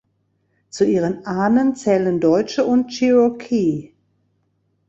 Zu ihren Ahnen zählen Deutsche und Cherokee.